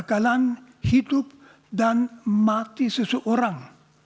kegalan hidup dan mati seseorang